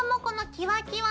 キワキワ。